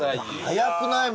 早くない？